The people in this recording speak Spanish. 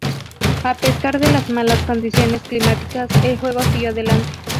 A pesar de las malas condiciones climáticas, el juego siguió adelante.